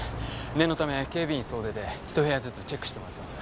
念のため警備員総出で一部屋ずつチェックしてもらってます。